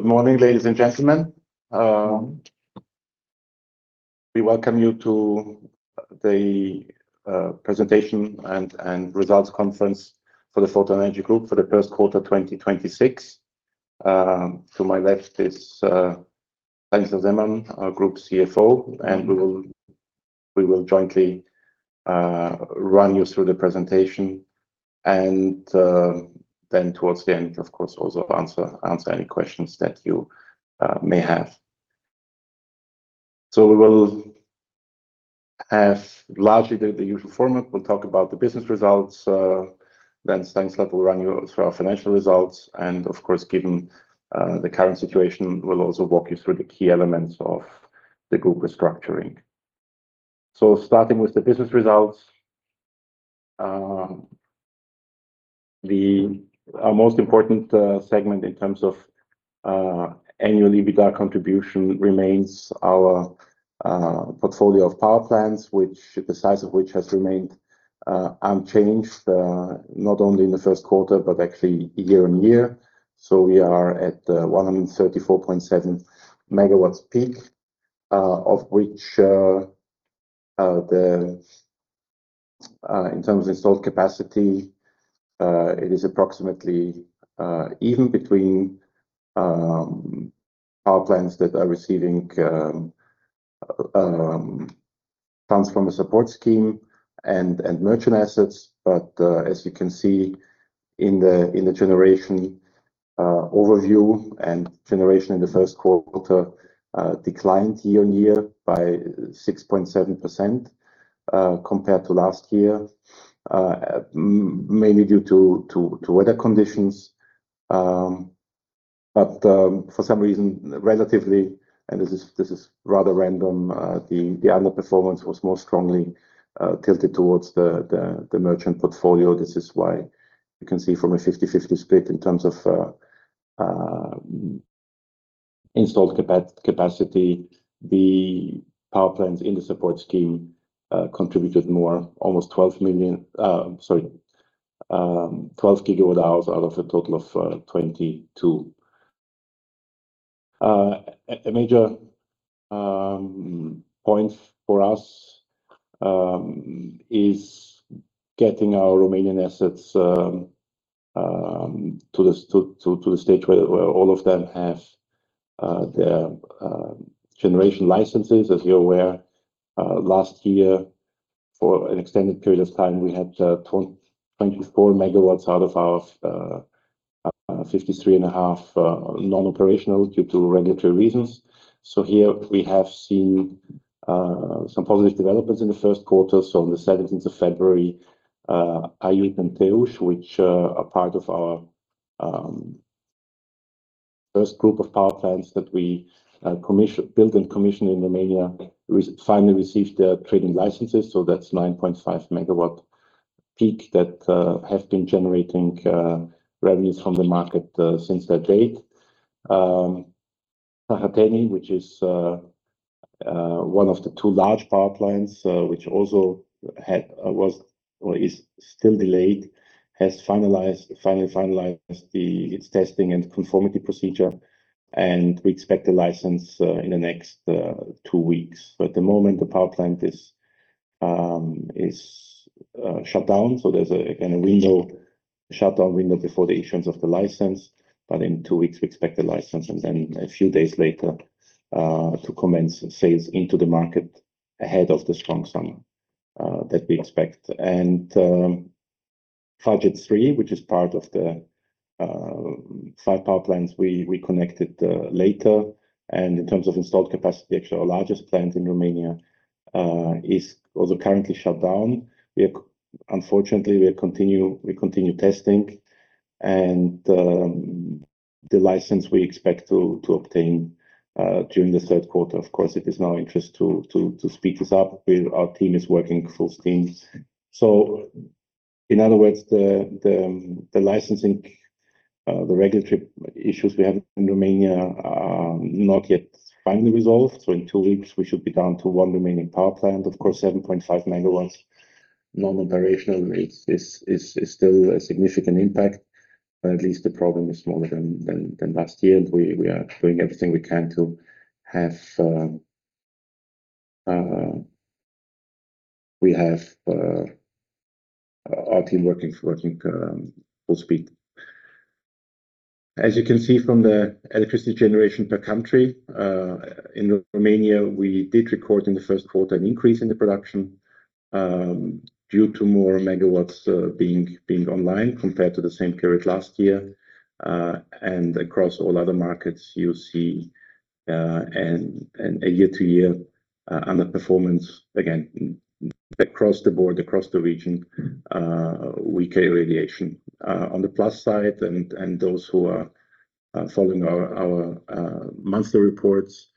Good morning, ladies and gentlemen. We welcome you to the presentation and results conference for the Photon Energy Group for the Q1 2026. To my left is Stanislav Zeman, our Group CFO, and we will jointly run you through the presentation and then towards the end, of course, also answer any questions that you may have. We will have largely the usual format. We'll talk about the business results, then Stanislav will run you through our financial results, and of course, given the current situation, we'll also walk you through the key elements of the group restructuring. Starting with the business results. Our most important segment in terms of annual EBITDA contribution remains our portfolio of power plants, the size of which has remained unchanged, not only in the Q1, but actually year-on-year. We are at 134.7 megawatts peak, of which in terms of installed capacity, it is approximately even between power plants that are receiving transformer support scheme and merchant assets. As you can see in the generation overview and generation in the Q1 declined year-on-year by 6.7% compared to last year, mainly due to weather conditions. For some reason, relatively, and this is rather random, the underperformance was more strongly tilted towards the merchant portfolio. This is why you can see from a 50/50 split in terms of installed capacity, the power plants in the support scheme contributed more, almost 12 gigawatt hours out of a total of 22. A major point for us is getting our Romanian assets to the stage where all of them have their generation licenses. As you're aware, last year, for an extended period of time, we had 24 megawatts out of our 53.5 non-operational due to regulatory reasons. Here we have seen some positive developments in the Q1. On the February 17th, Aiud and Teiuș, which are part of our first group of power plants that we built and commissioned in Romania, finally received their trading licenses. That's 9.5 megawatts peak that have been generating revenues from the market since that date. Ciuperceni, which is one of the two large power plants which also is still delayed, has finally finalized its testing and conformity procedure, and we expect a license in the next two weeks. At the moment, the power plant is shut down. There's a kind of shutdown window before the issuance of the license. In two weeks, we expect the license, and then a few days later, to commence sales into the market ahead of the strong summer that we expect. Project three, which is part of the five power plants we connected later, and in terms of installed capacity, actually our largest plant in Romania, is also currently shut down. Unfortunately, we continue testing, and the license we expect to obtain during the Q3. Of course, it is in our interest to speed this up. Our team is working full steam. In other words, the licensing, the regulatory issues we have in Romania are not yet finally resolved. In two weeks, we should be down to one Romanian power plant. Of course, 7.5 megawatts non-operational is still a significant impact, but at least the problem is smaller than last year. We are doing everything we can to have our team working full speed. As you can see from the electricity generation per country, in Romania, we did record in the Q1 an increase in the production due to more megawatts being online compared to the same period last year. Across all other markets, you see a year-to-year underperformance again. Across the board, across the region, weaker irradiation. On the plus side, and those who are following our monthly reports,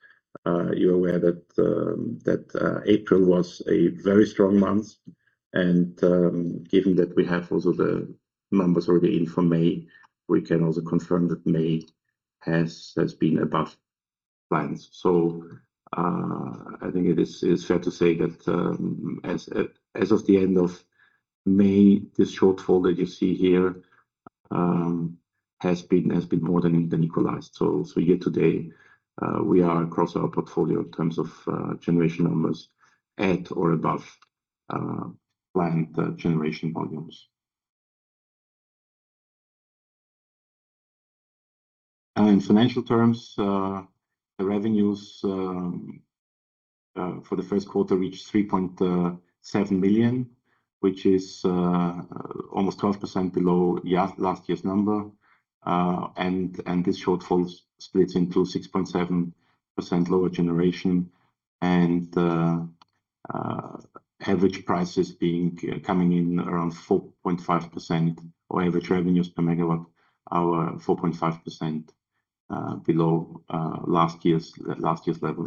you are aware that April was a very strong month, and given that we have also the numbers already in for May, we can also confirm that May has been above plans. I think it is fair to say that as of the end of May, this shortfall that you see here has been more than equalized. Yet today, we are across our portfolio in terms of generation numbers at or above planned generation volumes. In financial terms, the revenues for the Q1 reached 3.7 million, which is almost 12% below last year's number. This shortfall splits into 6.7% lower generation and average prices coming in around 4.5%, or average revenues per megawatt hour, 4.5% below last year's level.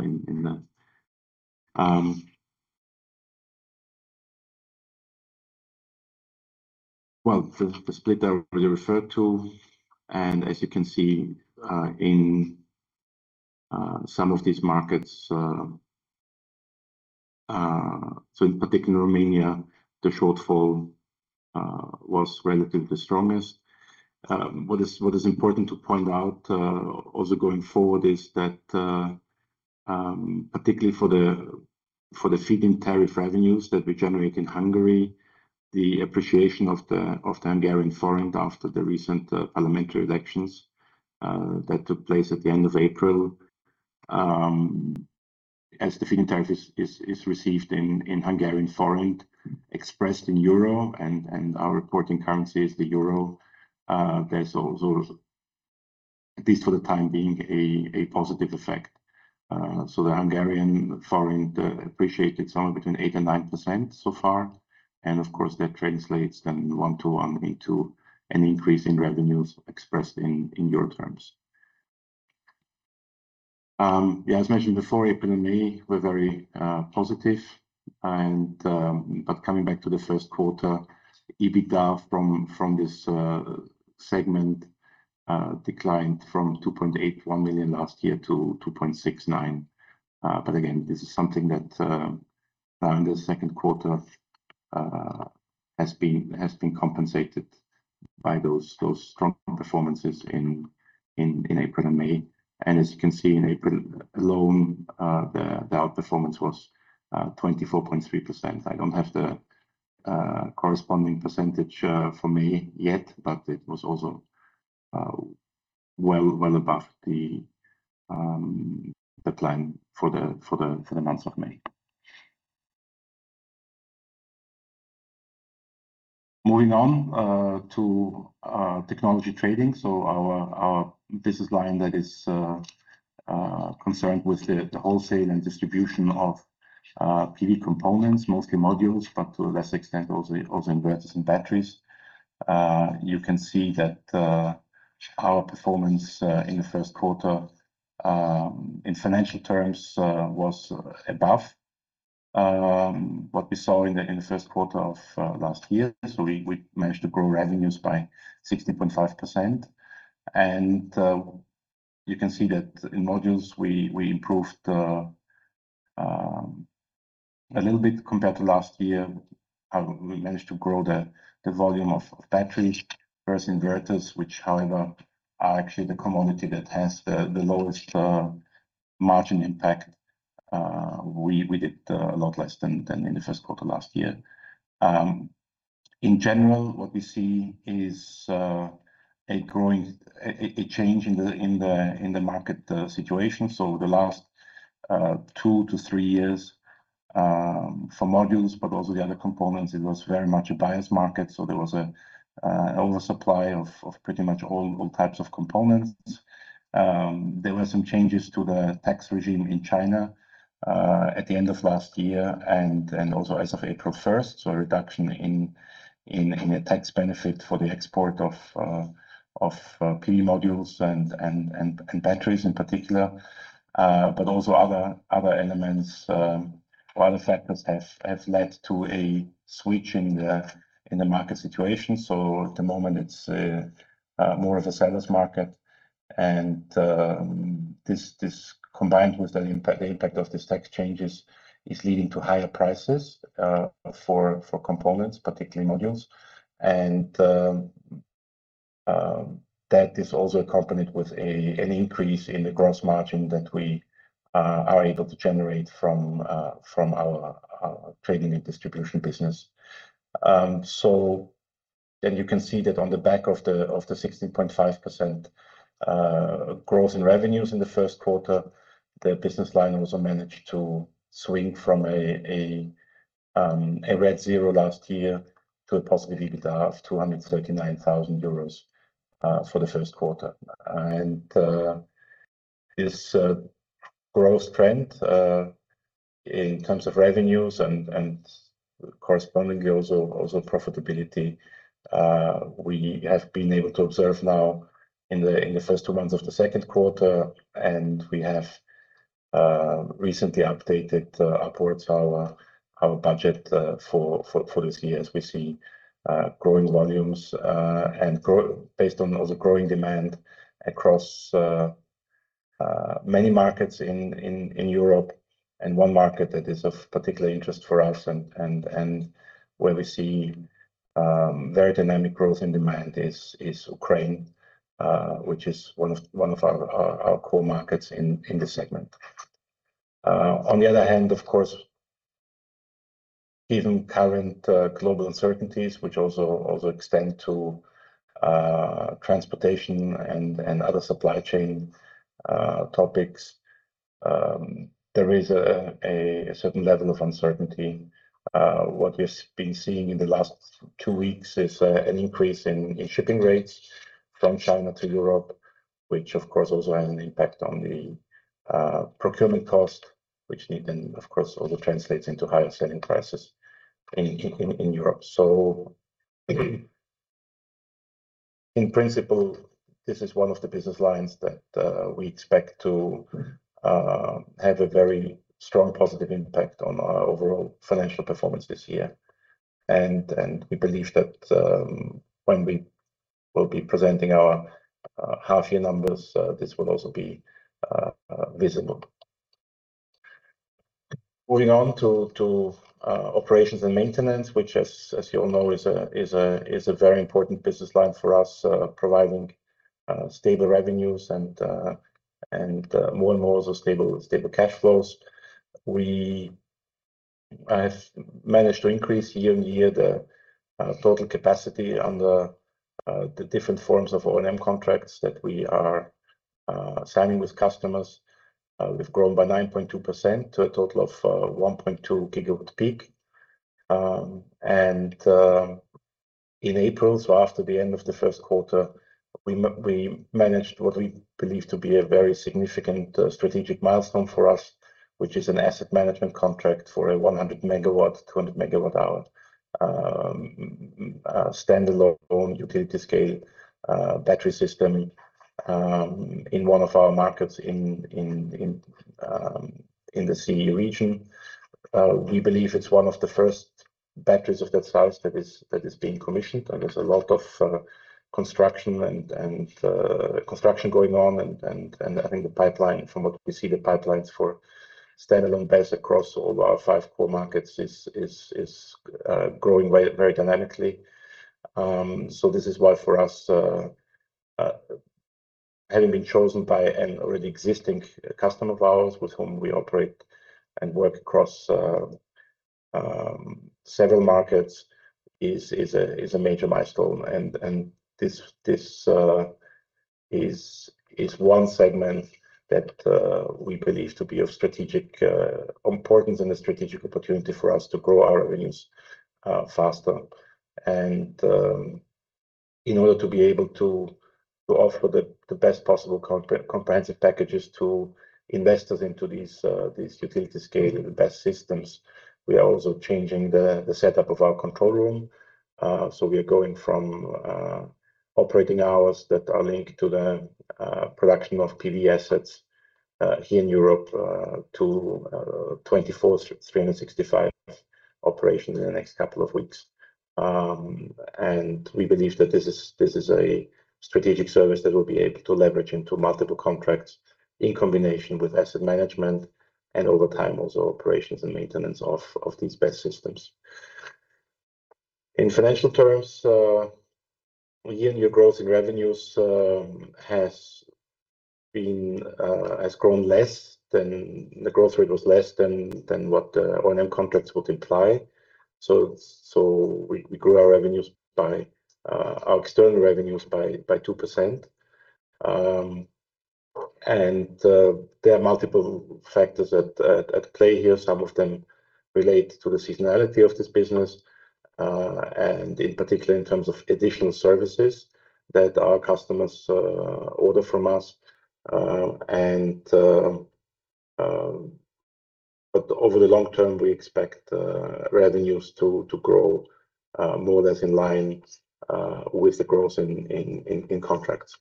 The split I already referred to, and as you can see in some of these markets, in particular Romania, the shortfall was relatively strongest. What is important to point out, also going forward, is that, particularly for the feed-in tariff revenues that we generate in Hungary, the appreciation of the Hungarian forint after the recent parliamentary elections that took place at the end of April, as the feed-in tariff is received in Hungarian forint, expressed in EUR, and our reporting currency is the EUR, there's also, at least for the time being, a positive effect. The Hungarian forint appreciated somewhere between eight percent and nine percent so far, and of course, that translates then one-to-one into an increase in revenues expressed in EUR terms. Yeah, as mentioned before, April and May were very positive. Coming back to the Q1, EBITDA from this segment declined from 2.81 million last year to 2.69 million. Again, this is something that in the Q2 has been compensated by those strong performances in April and May. As you can see, in April alone, the outperformance was 24.3%. I don't have the corresponding percentage for May yet, but it was also well above the plan for the month of May. Moving on to technology trading, our business line that is concerned with the wholesale and distribution of PV components, mostly modules, but to a lesser extent, also inverters and batteries. You can see that our performance in the Q1, in financial terms, was above what we saw in the Q1 of last year. We managed to grow revenues by 60.5%, and you can see that in modules, we improved a little bit compared to last year. We managed to grow the volume of batteries versus inverters, which, however, are actually the commodity that has the lowest margin impact. We did a lot less than in the Q1 last year. In general, what we see is a change in the market situation. The last two - three years, for modules, but also the other components, it was very much a buyer's market. There was an oversupply of pretty much all types of components. There were some changes to the tax regime in China at the end of last year and also as of April 1st, so a reduction in the tax benefit for the export of PV modules and batteries in particular, but also other elements or other factors have led to a switch in the market situation. At the moment, it's more of a seller's market, and this, combined with the impact of these tax changes, is leading to higher prices for components, particularly modules. That is also accompanied with an increase in the gross margin that we are able to generate from our trading and distribution business. You can see that on the back of the 16.5% growth in revenues in the Q1, the business line also managed to swing from a red zero last year to a positive EBITDA of 239,000 euros for the Q1. This growth trend, in terms of revenues and correspondingly also profitability, we have been able to observe now in the first two months of the Q2, and we have recently updated upwards our budget for this year, as we see growing volumes and based on the growing demand across many markets in Europe and one market that is of particular interest for us and where we see very dynamic growth in demand is Ukraine, which is one of our core markets in this segment. On the other hand, of course, given current global uncertainties, which also extend to transportation and other supply chain topics, there is a certain level of uncertainty. What we've been seeing in the last two weeks is an increase in shipping rates from China to Europe, which of course also has an impact on the procurement cost, which then, of course, also translates into higher selling prices in Europe. In principle, this is one of the business lines that we expect to have a very strong positive impact on our overall financial performance this year. We believe that when we will be presenting our half-year numbers, this will also be visible. Moving on to operations and maintenance, which as you all know, is a very important business line for us, providing stable revenues and more and more stable cash flows. We have managed to increase year-on-year, the total capacity on the different forms of O&M contracts that we are signing with customers. We've grown by 9.2% to a total of 1.2 gigawatts peak. In April, so after the end of the Q1, we managed what we believe to be a very significant strategic milestone for us, which is an asset management contract for a 100-megawatt, 200-megawatt hour standalone utility-scale battery system in one of our markets in the CEE region. We believe it's one of the first batteries of that size that is being commissioned, and there's a lot of construction going on, and I think from what we see, the pipelines for standalone BESS across all of our five core markets is growing very dynamically. This is why for us, having been chosen by an already existing customer of ours with whom we operate and work across several markets is a major milestone. This is one segment that we believe to be of strategic importance and a strategic opportunity for us to grow our revenues faster. In order to be able to offer the best possible comprehensive packages to investors into these utility-scale BESS systems, we are also changing the setup of our control room. We are going from operating hours that are linked to the production of PV assets here in Europe to 24/365 operations in the next couple of weeks. We believe that this is a strategic service that we'll be able to leverage into multiple contracts in combination with asset management and over time, also operations and maintenance of these BESS systems. In financial terms, year-on-year growth in revenues, the growth rate was less than what O&M contracts would imply. We grew our external revenues by two percent, and there are multiple factors at play here. Some of them relate to the seasonality of this business, in particular, in terms of additional services that our customers order from us. Over the long term, we expect revenues to grow more or less in line with the growth in contracts.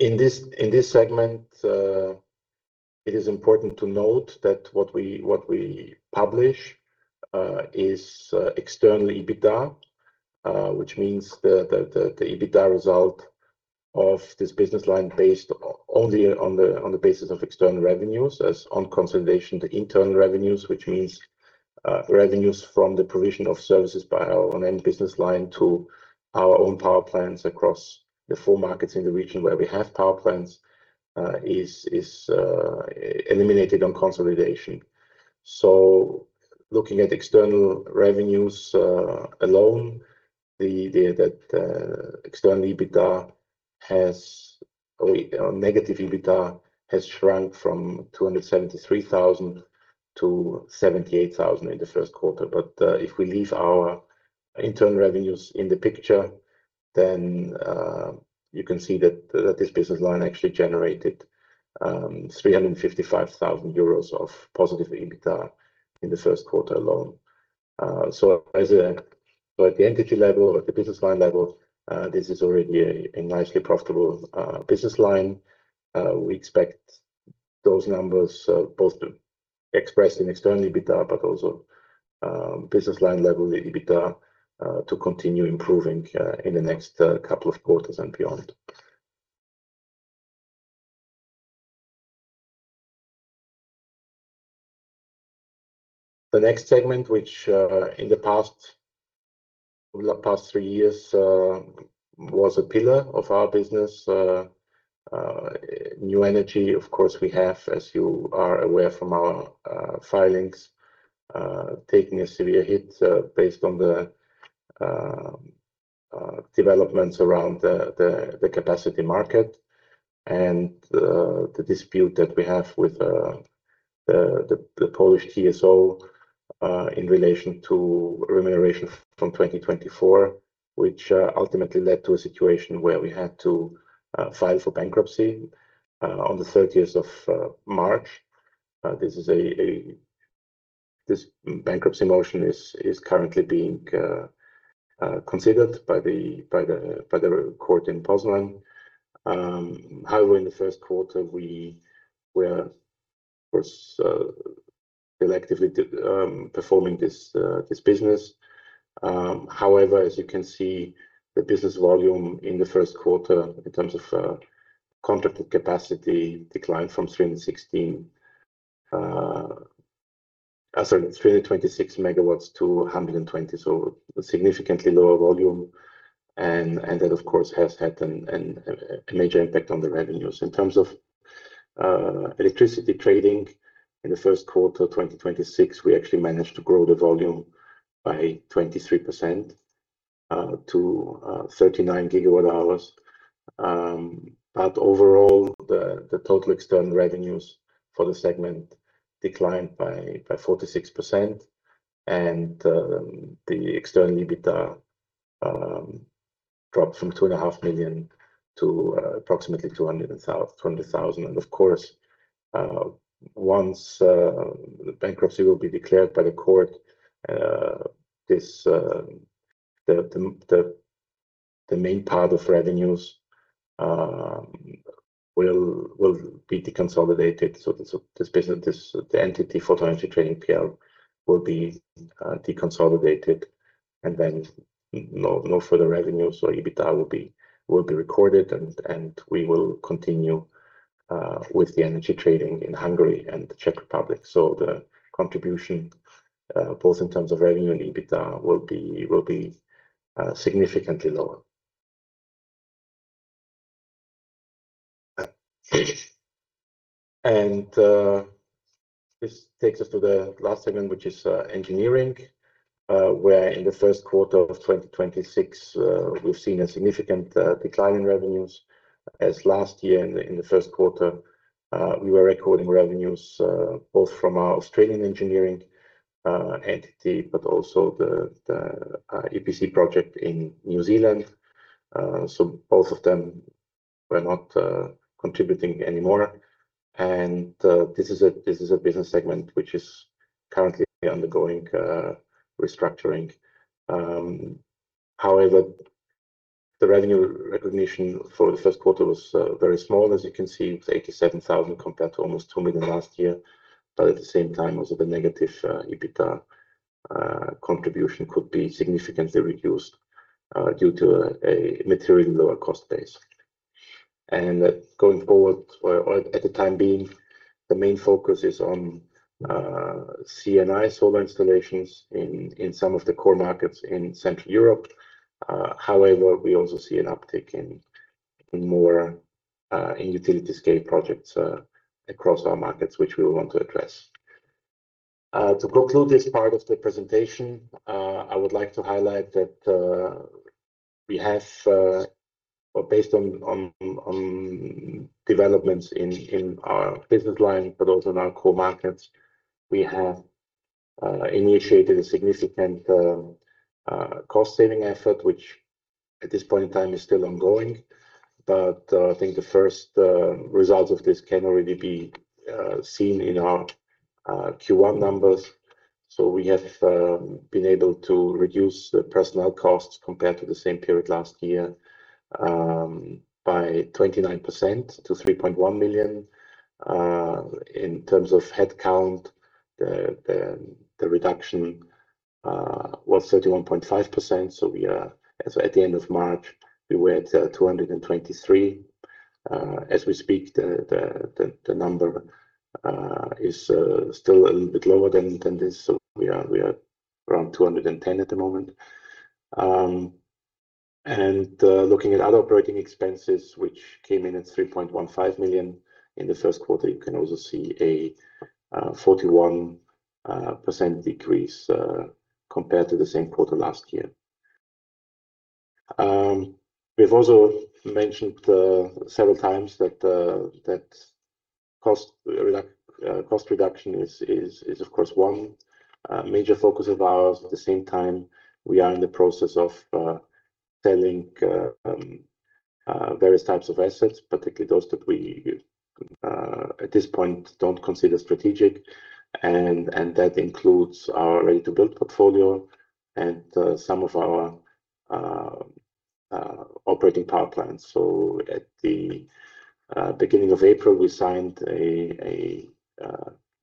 In this segment, it is important to note that what we publish is external EBITDA, which means the EBITDA result of this business line based on the basis of external revenues as on consolidation to internal revenues, which means revenues from the provision of services by our O&M business line to our own power plants across the four markets in the region where we have power plants, is eliminated on consolidation. Looking at external revenues alone, the external negative EBITDA has shrunk from 273,000 to 78,000 in the Q1. If we leave our internal revenues in the picture, then you can see that this business line actually generated 355,000 euros of positive EBITDA in the Q1 alone. At the entity level, at the business line level, this is already a nicely profitable business line. We expect those numbers, both expressed in external EBITDA but also business line level EBITDA, to continue improving in the next couple of quarters and beyond. The next segment, which over the past three years was a pillar of our business, New Energy, of course, we have, as you are aware from our filings, taken a severe hit based on the developments around the capacity market and the dispute that we have with the Polish TSO in relation to remuneration from 2024, which ultimately led to a situation where we had to file for bankruptcy on the March 30th. This bankruptcy motion is currently being considered by the court in Poznań. However, in the Q1, we were, of course, still actively performing this business. However, as you can see, the business volume in the Q1 in terms of contracted capacity declined from 326 megawatts to 120, so significantly lower volume, and that, of course, has had a major impact on the revenues. In terms of electricity trading in the Q1 2026, we actually managed to grow the volume by 23% - 39 gigawatt hours. Overall, the total external revenues for the segment declined by 46%, and the external EBITDA dropped from two and a half million to approximately 200,000. Of course, once the bankruptcy will be declared by the court, the main part of revenues will be deconsolidated. The entity, Photon Energy Trading PL, will be deconsolidated and no further revenues or EBITDA will be recorded, and we will continue with the energy trading in Hungary and the Czech Republic. The contribution, both in terms of revenue and EBITDA, will be significantly lower. This takes us to the last segment, which is engineering, where in the Q1 of 2026, we've seen a significant decline in revenues, as last year in the Q1, we were recording revenues both from our Australian engineering entity, but also the EPC project in New Zealand. Both of them were not contributing anymore, and this is a business segment which is currently undergoing restructuring. However, the revenue recognition for the Q1was very small. As you can see, it's 87,000 compared to almost 2 million last year. At the same time, also the negative EBITDA contribution could be significantly reduced due to a materially lower cost base. Going forward, or at the time being, the main focus is on C&I solar installations in some of the core markets in Central Europe. However, we also see an uptick in more utility-scale projects across our markets, which we want to address. To conclude this part of the presentation, I would like to highlight that based on developments in our business line, but also in our core markets, we have initiated a significant cost-saving effort, which at this point in time is still ongoing. I think the first results of this can already be seen in our Q1 numbers. We have been able to reduce the personnel costs compared to the same period last year by 29% to 3.1 million. In terms of headcount, the reduction was 31.5%, so at the end of March, we were at 223. As we speak, the number is still a little bit lower than this, so we are around 210 at the moment. Looking at other operating expenses, which came in at 3.15 million in the Q1, you can also see a 41% decrease compared to the same quarter last year. We've also mentioned several times that cost reduction is, of course, one major focus of ours. At the same time, we are in the process of selling various types of assets, particularly those that we, at this point, don't consider strategic, and that includes our ready-to-build portfolio and some of our operating power plants. At the beginning of April, we signed a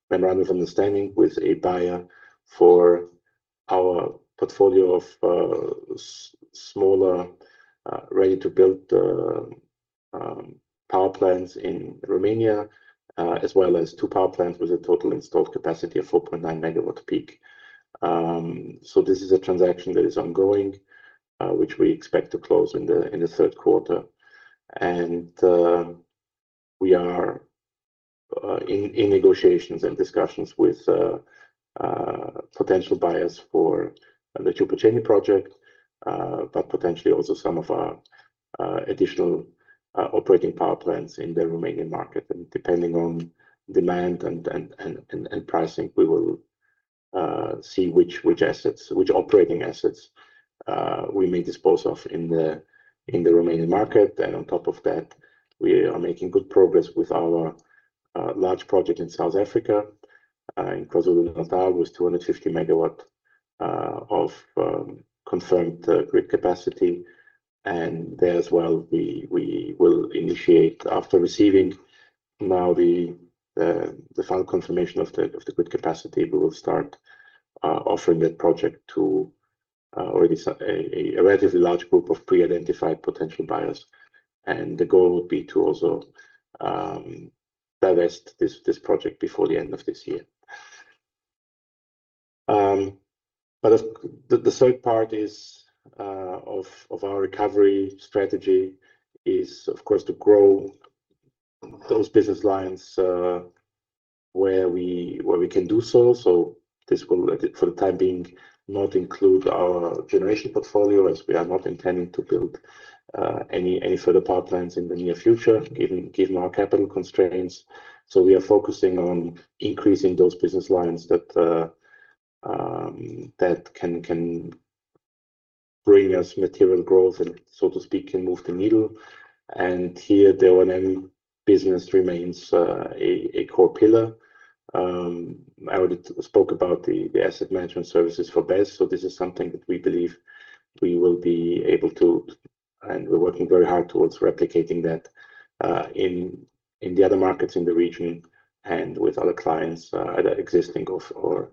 memorandum of understanding with a buyer for our portfolio of smaller ready-to-build power plants in Romania, as well as two power plants with a total installed capacity of 4.9 megawatts peak. This is a transaction that is ongoing, which we expect to close in the Q3. We are in negotiations and discussions with potential buyers for the Ciupaceni project, but potentially also some of our additional operating power plants in the Romanian market. Depending on demand and pricing, we will see which operating assets we may dispose of in the Romanian market. On top of that, we are making good progress with our large project in South Africa, in KwaZulu-Natal, with 250 megawatts of confirmed grid capacity. There as well, we will initiate after receiving now the final confirmation of the grid capacity. We will start offering that project to a relatively large group of pre-identified potential buyers, the goal would be to also divest this project before the end of this year. The third part of our recovery strategy is, of course, to grow those business lines where we can do so. This will, for the time being, not include our generation portfolio, as we are not intending to build any further power plants in the near future, given our capital constraints. We are focusing on increasing those business lines that can bring us material growth and, so to speak, can move the needle. Here, the O&M business remains a core pillar. I already spoke about the asset management services for BESS. This is something that we believe we will be able to, and we're working very hard towards replicating that in the other markets in the region and with other clients, either existing or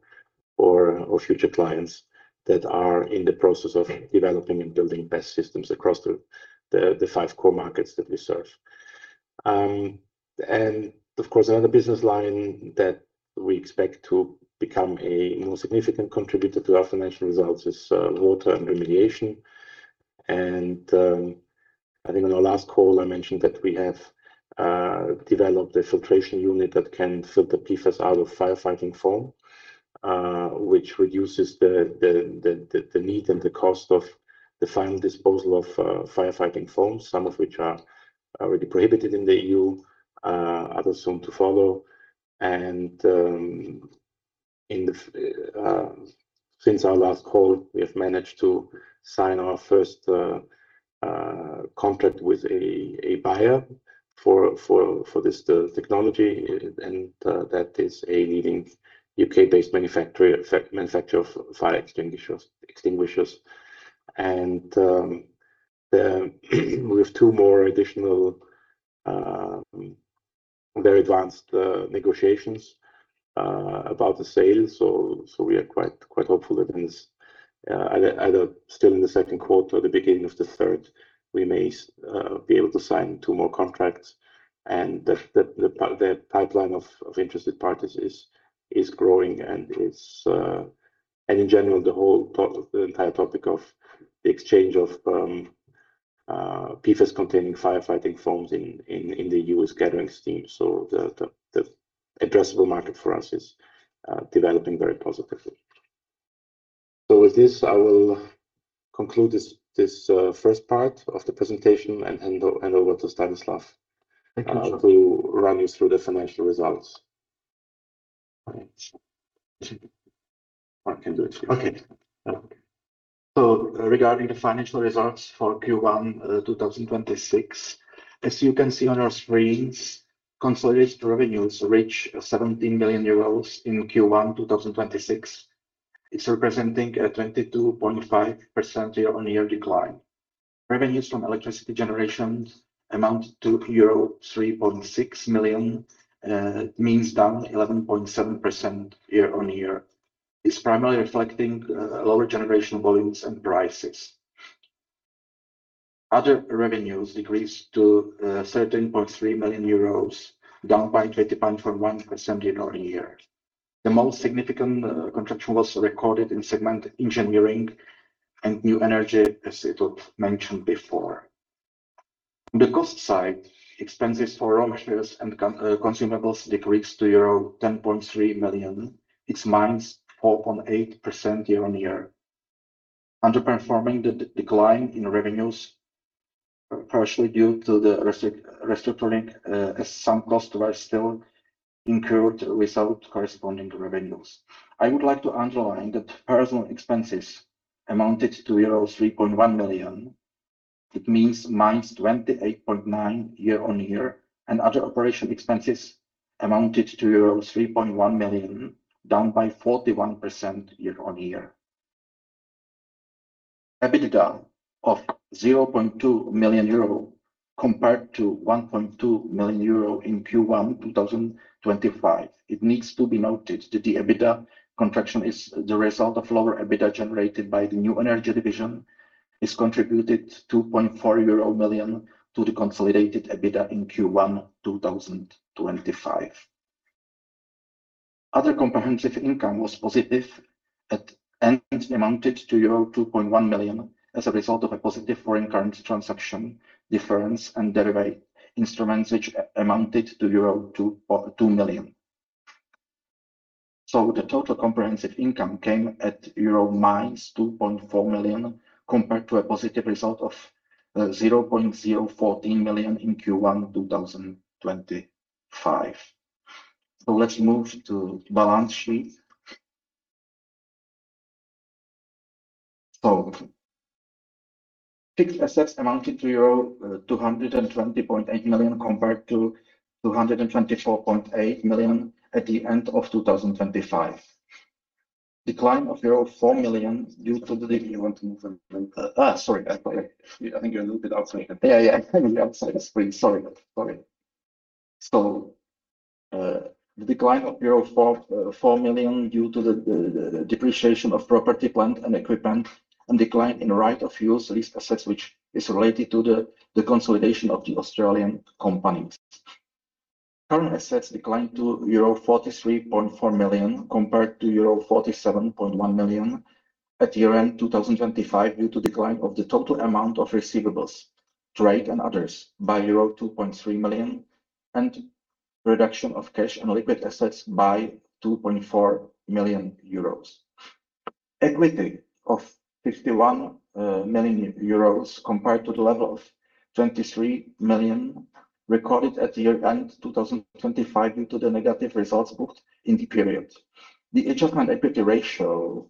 future clients that are in the process of developing and building BESS systems across the five core markets that we serve. Of course, another business line that we expect to become a more significant contributor to our financial results is water and remediation. I think on our last call, I mentioned that we have developed a filtration unit that can filter PFAS out of firefighting foam, which reduces the need and the cost of the final disposal of firefighting foams, some of which are already prohibited in the EU, others soon to follow. Since our last call, we have managed to sign our first contract with a buyer for this technology, and that is a leading U.K.-based manufacturer of fire extinguishers. We have two more additional very advanced negotiations about the sale. We are quite hopeful that either still in the Q2 or the beginning of the third, we may be able to sign two more contracts. The pipeline of interested parties is growing, and in general, the entire topic of the exchange of PFAS-containing firefighting foams in the EU is gathering steam. The addressable market for us is developing very positively. With this, I will conclude this first part of the presentation and hand over to Stanislav to run you through the financial results. I can do it too. Okay. Regarding the financial results for Q1 2026, as you can see on your screens, consolidated revenues reach 17 million euros in Q1 2026. It's representing a 22.5% year-on-year decline. Revenues from electricity generation amount to EUR 3.6 million, down 11.7% year-on-year. It's primarily reflecting lower generation volumes and prices. Other revenues decreased to 13.3 million euros, down by 20.1% year-on-year. The most significant contraction was recorded in segment engineering and New Energy, as it was mentioned before. On the cost side, expenses for raw materials and consumables decreased to euro 10.3 million. It's -4.8% year-on-year. Underperforming the decline in revenues, partially due to the restructuring, as some costs were still incurred without corresponding revenues. I would like to underline that personal expenses amounted to euro 3.1 million. It means -28.9% year-on-year, and other operational expenses amounted to euro 3.1 million, down by 41% year-on-year. EBITDA of 0.2 million euro compared to 1.2 million euro in Q1 2025. It needs to be noted that the EBITDA contraction is the result of lower EBITDA generated by the New Energy division, has contributed 2.4 million euro to the consolidated EBITDA in Q1 2025. Other comprehensive income was positive and amounted to euro 2.1 million as a result of a positive foreign currency transaction difference and derivative instruments, which amounted to 2 million euro. The total comprehensive income came at EUR minus 2.4 million compared to a positive result of 0.014 million in Q1 2025. Let's move to balance sheet. Fixed assets amounted to euro 220.8 million compared to 224.8 million at the end of 2025. Decline of euro 4 million due to the You want to move them. Sorry. I think you're a little bit outside. Yeah, I'm outside the screen. Sorry. The decline of euro 4 million due to the depreciation of property, plant, and equipment and decline in right of use lease assets, which is related to the consolidation of the Australian companies. Current assets declined to euro 43.4 million compared to euro 47.1 million at year-end 2025 due to decline of the total amount of receivables, trade, and others by euro 2.3 million and reduction of cash and liquid assets by 2.4 million euros. Equity of 51 million euros compared to the level of 23 million recorded at the year-end 2025 due to the negative results booked in the period. The adjusted equity ratio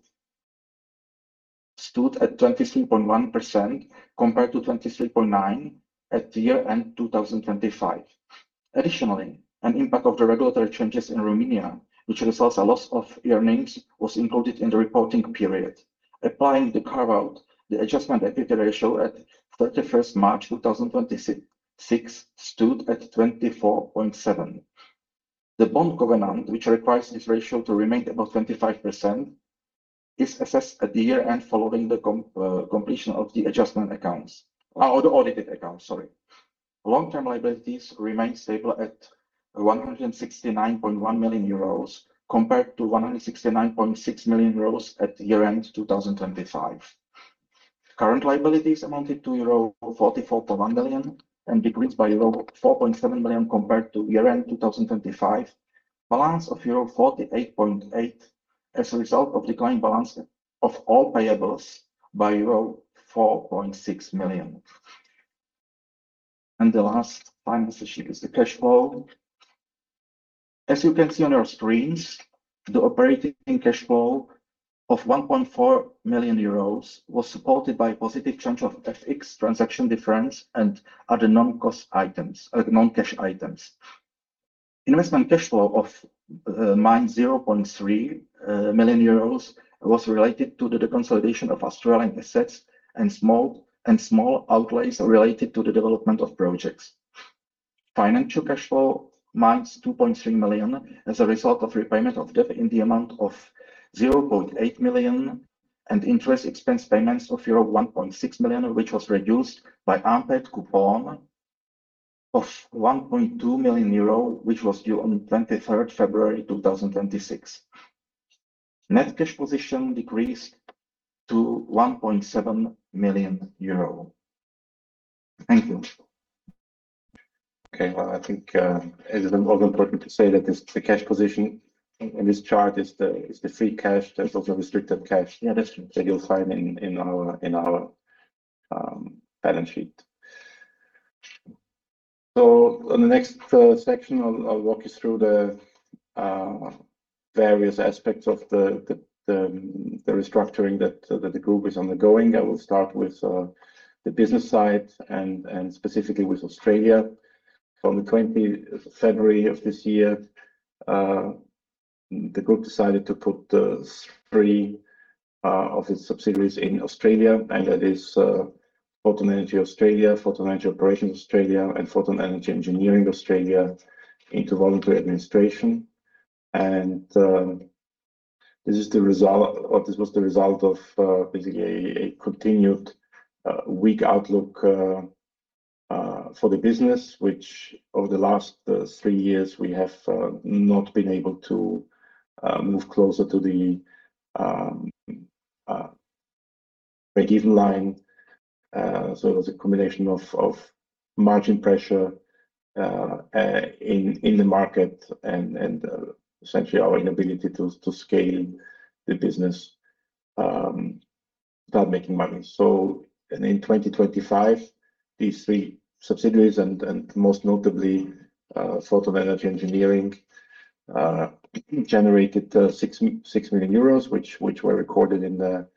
stood at 23.1% compared to 23.9% at the year-end 2025. Additionally, an impact of the regulatory changes in Romania, which results a loss of earnings, was included in the reporting period. Applying the carve-out, the adjusted equity ratio at March 31st 2026 stood at 24.7%. The bond covenant, which requires this ratio to remain above 25%, is assessed at the year-end following the completion of the adjustment accounts or the audited accounts, sorry. Long-term liabilities remain stable at 169.1 million euros compared to 169.6 million euros at year-end 2025. Current liabilities amounted to euro 44.1 million and decreased by euro 4.7 million compared to year-end 2025. Balance of euro 48.8 as a result of decline balance of all payables by euro 4.6 million. The last financial sheet is the cash flow. As you can see on your screens, the operating cash flow of 1.4 million euros was supported by positive change of tax transaction difference and other non-cost items, like non-cash items. Investment cash flow of minus 0.3 million euros was related to the consolidation of Australian assets and small outlays related to the development of projects. Financial cash flow, minus 2.3 million, as a result of repayment of debt in the amount of 0.8 million and interest expense payments of euro 1.6 million, which was reduced by unpaid coupon of 1.2 million euro, which was due on February 23rd 2026. Net cash position decreased to 1.7 million euro. Thank you. Okay. Well, I think it is also important to say that the cash position in this chart is the free cash. There is also restricted cash. Yeah, that's true. that you'll find in our balance sheet. On the next section, I'll walk you through the various aspects of the restructuring that the group is undergoing. I will start with the business side and specifically with Australia. From the February 20th of this year, the group decided to put three of its subsidiaries in Australia, and that is Photon Energy Australia, Photon Energy Operations Australia, and Photon Energy Engineering Australia, into voluntary administration. This was the result of basically a continued weak outlook for the business, which over the last three years we have not been able to move closer to the break-even line. It was a combination of margin pressure in the market and essentially our inability to scale the business without making money. In 2025, these three subsidiaries and most notably Photon Energy Engineering, generated 6 million euros, which were recorded in our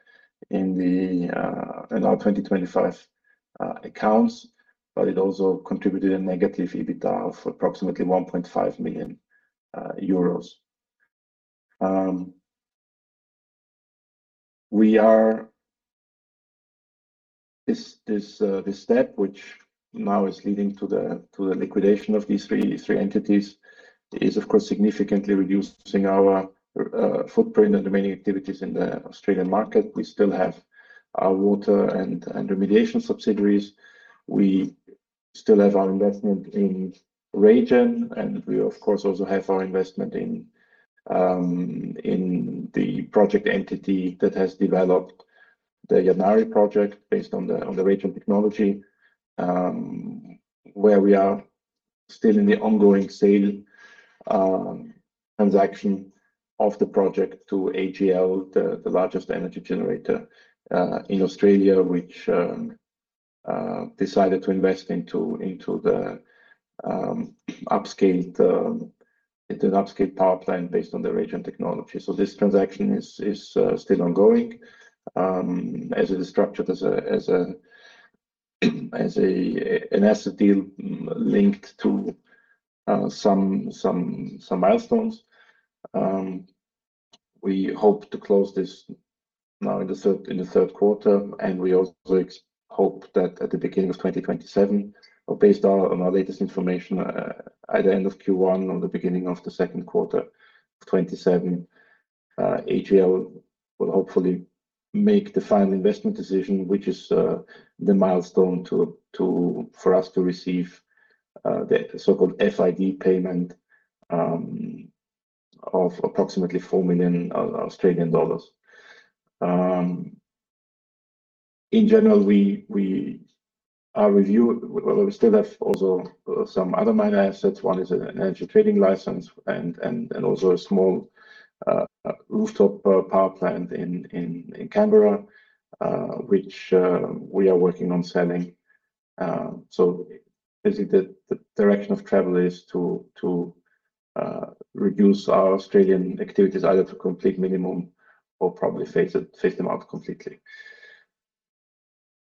2025 accounts, but it also contributed a negative EBITDA of approximately EUR 1.5 million. This step, which now is leading to the liquidation of these three entities, is of course significantly reducing our footprint and remaining activities in the Australian market. We still have our water and remediation subsidiaries. We still have our investment in RayGen, and we of course also have our investment in the project entity that has developed the Yadnarie project based on the RayGen technology, where we are still in the ongoing sale transaction of the project to AGL, the largest energy generator in Australia. Which decided to invest into the upscaled power plant based on the RayGen technology. This transaction is still ongoing, as it is structured as an asset deal linked to some milestones. We hope to close this now in the Q3. We also hope that at the beginning of 2027 or based on our latest information, at the end of Q1 or the beginning of the Q2 of 2027, AGL will hopefully make the final investment decision, which is the milestone for us to receive the so-called FID payment of approximately 4 million Australian dollars. In general, we still have also some other minor assets. One is an energy trading license and also a small rooftop power plant in Canberra, which we are working on selling. Basically, the direction of travel is to reduce our Australian activities either to complete minimum or probably phase them out completely.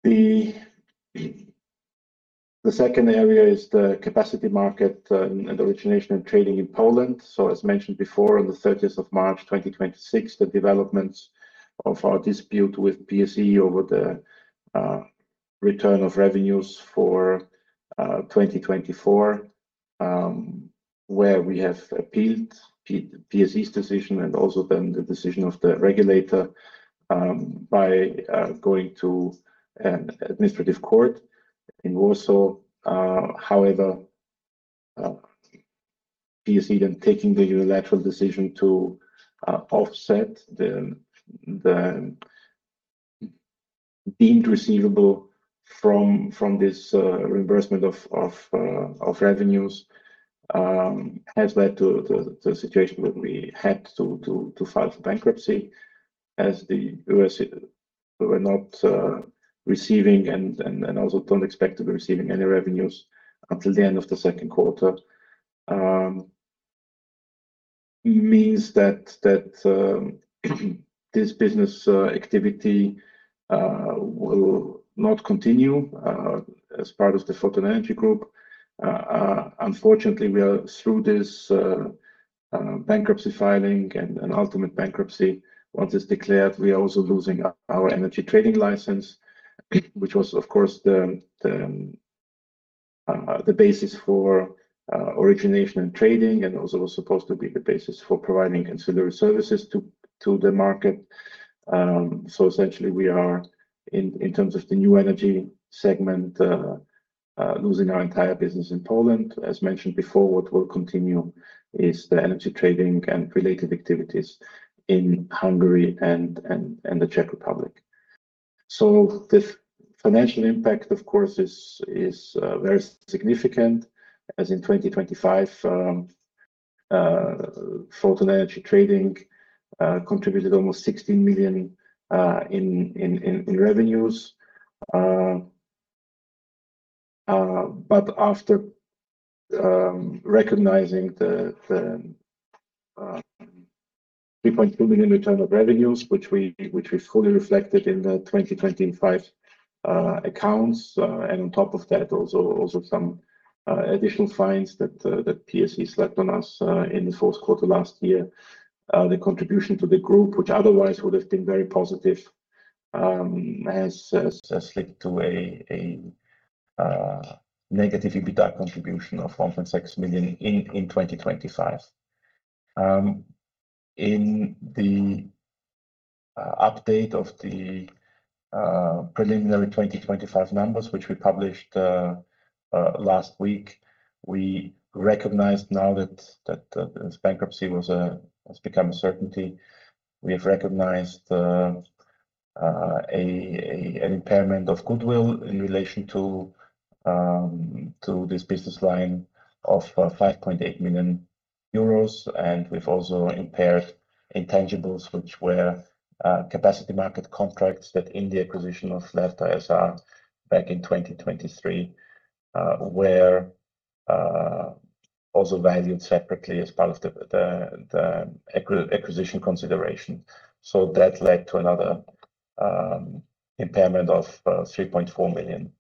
The second area is the capacity market and origination and trading in Poland. As mentioned before, on the March 30th 2026, the developments of our dispute with PSE over the return of revenues for 2024, where we have appealed PSE's decision and also then the decision of the regulator, by going to an administrative court in Warsaw. PSE then taking the unilateral decision to offset the deemed receivable from this reimbursement of revenues, has led to the situation where we had to file for bankruptcy as we were not receiving and also don't expect to be receiving any revenues until the end of the Q2. This means that this business activity will not continue as part of the Photon Energy Group. Unfortunately, we are through this bankruptcy filing and ultimate bankruptcy. Once it's declared, we are also losing our energy trading license, which was, of course, the basis for origination and trading, and also was supposed to be the basis for providing ancillary services to the market. Essentially, we are, in terms of the New Energy segment, losing our entire business in Poland. As mentioned before, what will continue is the energy trading and related activities in Hungary and the Czech Republic. The financial impact, of course, is very significant as in 2025, Photon Energy Trading contributed almost 16 million in revenues. After recognizing the 3.2 million return of revenues, which we fully reflected in the 2025 accounts, and on top of that, also some additional fines that PSE slapped on us in the Q4 last year. The contribution to the group, which otherwise would have been very positive, has slipped to a negative EBITDA contribution of 1.6 million in 2025. In the update of the preliminary 2025 numbers, which we published last week, we recognized an impairment of goodwill in relation to this business line of 5.8 million euros. We've also impaired intangibles, which were capacity market contracts that in the acquisition of Lerta S.A. back in 2023, were also valued separately as part of the acquisition consideration. That led to another impairment of 3.4 million.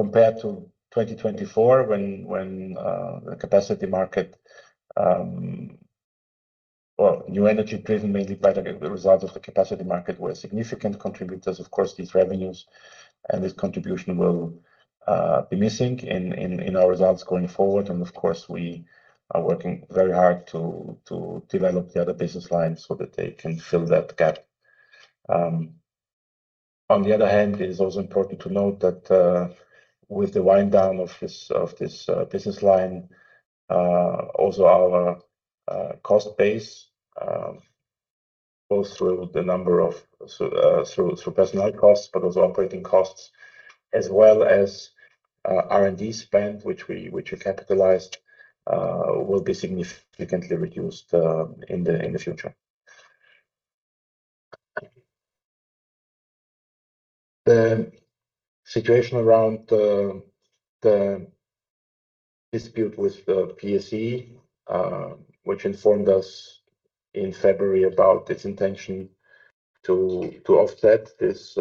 Compared to 2024 when the capacity market, New Energy Trading, mainly by the result of the capacity market, were significant contributors. Of course, these revenues and this contribution will be missing in our results going forward. Of course, we are working very hard to develop the other business lines so that they can fill that gap. On the other hand, it is also important to note that with the wind down of this business line, also our cost base, both through personnel costs, but also operating costs as well as R&D spend, which we capitalized, will be significantly reduced in the future. The situation around the dispute with the PSE, which informed us in February about its intention to offset this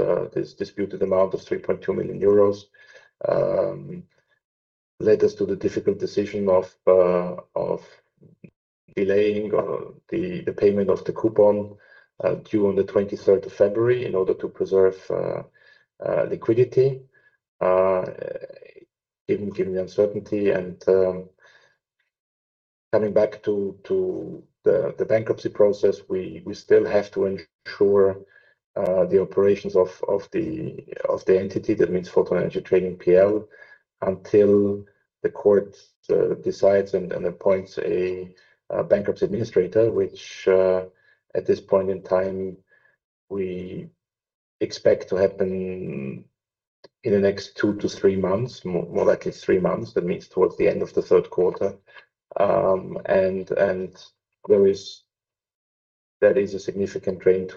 disputed amount of 3.2 million euros, led us to the difficult decision of delaying the payment of the coupon due on the February 23rd in order to preserve liquidity, given the uncertainty and coming back to the bankruptcy process, we still have to ensure the operations of the entity. That means Photon Energy Trading PL, until the court decides and appoints a bankruptcy administrator, which, at this point in time, we expect to happen in the next two to three months, more likely three months. That means towards the end of the third quarter. That is a significant drain.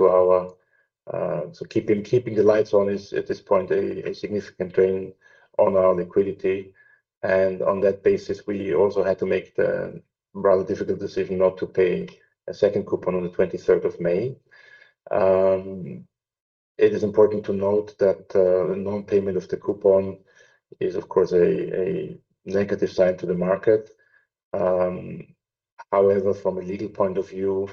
Keeping the lights on is, at this point, a significant drain on our liquidity, and on that basis, we also had to make the rather difficult decision not to pay a second coupon on the May 23rd. It is important to note that the non-payment of the coupon is, of course, a negative sign to the market. However, from a legal point of view,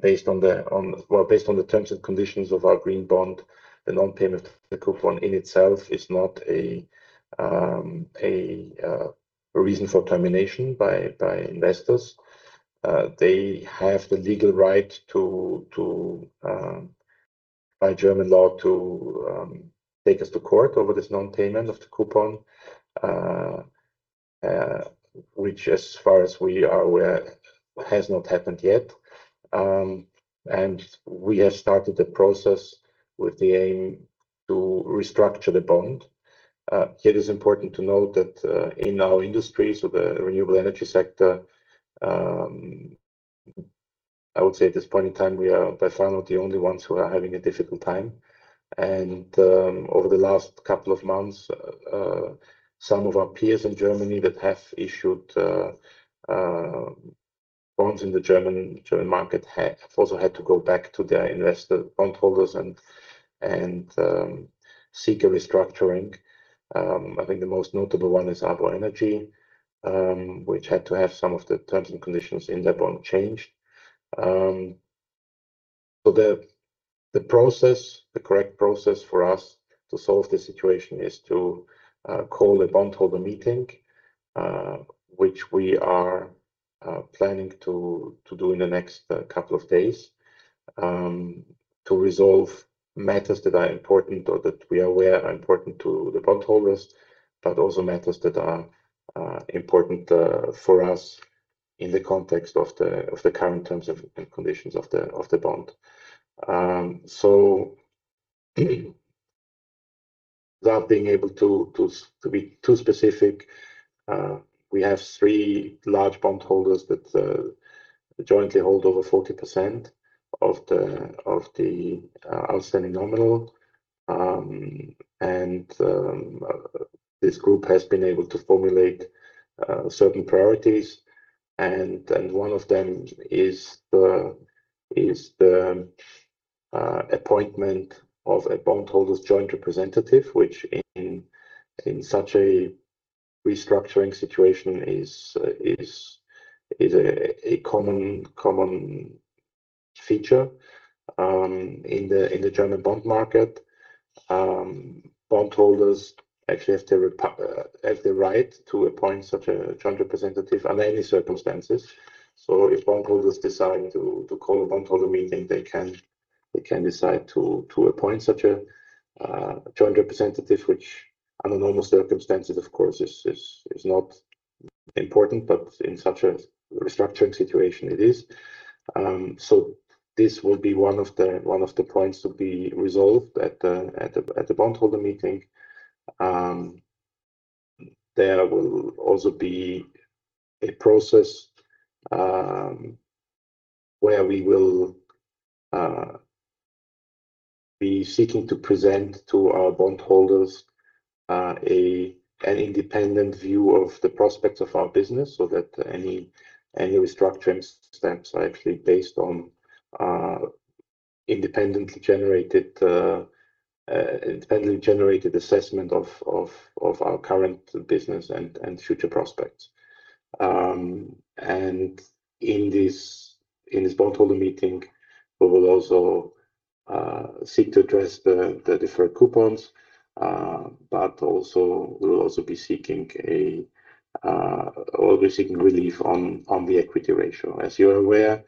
based on the terms and conditions of our green bond, the non-payment of the coupon in itself is not a reason for termination by investors. They have the legal right by German law to take us to court over this non-payment of the coupon, which as far as we are aware, has not happened yet. We have started the process with the aim to restructure the bond. Here it is important to note that in our industry, so the renewable energy sector, I would say at this point in time, we are by far not the only ones who are having a difficult time. Over the last couple of months, some of our peers in Germany that have issued bonds in the German market have also had to go back to their investor bondholders and seek a restructuring. I think the most notable one is Arbor Energy, which had to have some of the terms and conditions in that bond changed. The correct process for us to solve this situation is to call a bondholder meeting, which we are planning to do in the next couple of days, to resolve matters that are important or that we are aware are important to the bondholders, but also matters that are important for us in the context of the current terms and conditions of the bond. Without being able to be too specific, we have three large bondholders that jointly hold over 40% of the outstanding nominal. This group has been able to formulate certain priorities, and one of them is the appointment of a bondholders' joint representative, which in such a restructuring situation is a common feature in the German bond market. Bondholders actually have the right to appoint such a joint representative under any circumstances. If bondholders decide to call a bondholder meeting, they can decide to appoint such a joint representative, which under normal circumstances, of course, is not important, but in such a restructuring situation, it is. This will be one of the points to be resolved at the bondholder meeting. There will also be a process where we will be seeking to present to our bondholders an independent view of the prospects of our business, so that any restructuring steps are actually based on independently generated assessment of our current business and future prospects. In this bondholder meeting, we will also seek to address the deferred coupons, we'll also be seeking relief on the equity ratio. As you're aware,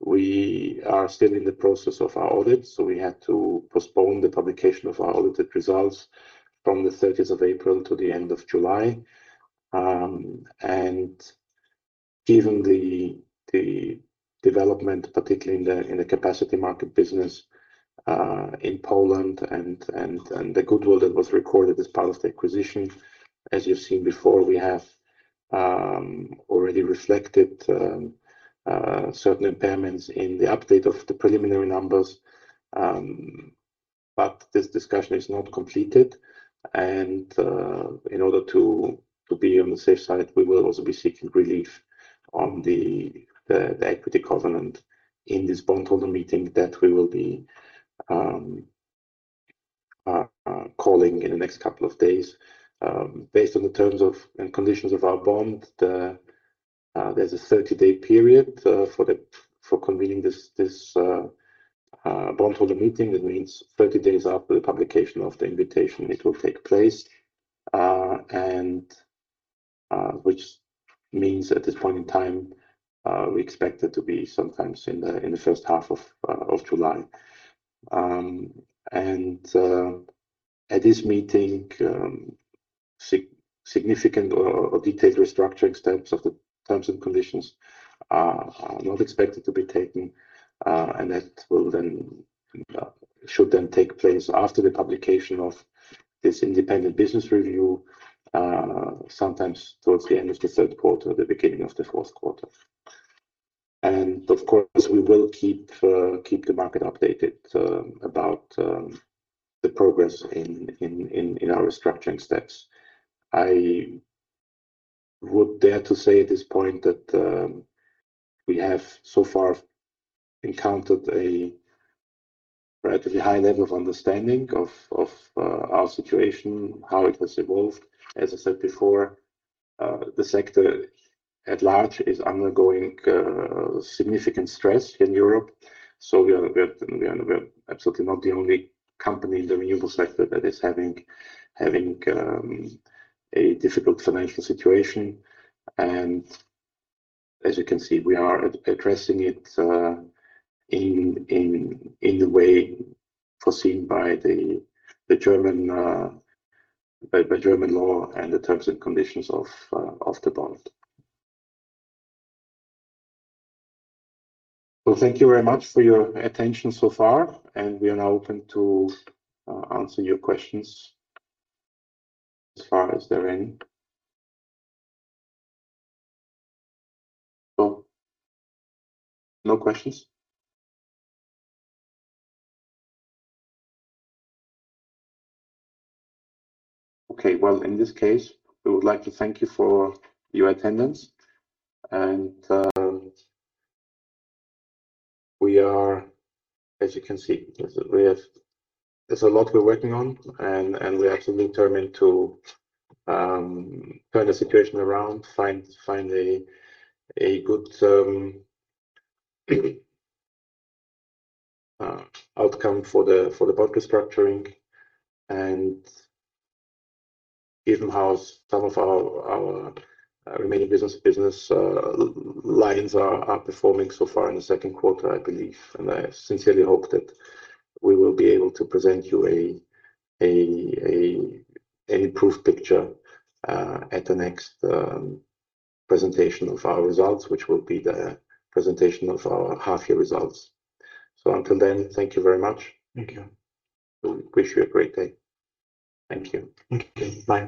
we are still in the process of our audit, so we had to postpone the publication of our audited results from the April 30th to the end of July. Given the development, particularly in the capacity market business, in Poland and the goodwill that was recorded as part of the acquisition, as you've seen before, we have already reflected certain impairments in the update of the preliminary numbers. This discussion is not completed. In order to be on the safe side, we will also be seeking relief on the equity covenant in this bondholder meeting that we will be calling in the next couple of days. Based on the terms and conditions of our bond, there's a 30-day period for convening this bondholder meeting. That means 30 days after the publication of the invitation, it will take place, which means at this point in time, we expect it to be sometimes in the first half of July. At this meeting, significant or detailed restructuring steps of the terms and conditions are not expected to be taken. That should then take place after the publication of this independent business review, sometimes towards the end of the Q3, the beginning of the Q4. Of course, we will keep the market updated about the progress in our restructuring steps. I would dare to say at this point that we have so far encountered a relatively high level of understanding of our situation, how it has evolved. As I said before, the sector at large is undergoing significant stress in Europe. We are absolutely not the only company in the renewable sector that is having a difficult financial situation. As you can see, we are addressing it in the way foreseen by German law and the terms and conditions of the bond. Thank you very much for your attention so far, and we are now open to answer your questions as far as there are any. No questions? Okay. In this case, we would like to thank you for your attendance. We are, as you can see, there's a lot we're working on, and we are absolutely determined to turn the situation around, find a good outcome for the bond restructuring and given how some of our remaining business lines are performing so far in the Q2, I believe, and I sincerely hope that we will be able to present you with an improved picture at the next presentation of our results, which will be the presentation of our half-year results. Until then, thank you very much. Thank you. We wish you a great day. Thank you. Thank you. Bye.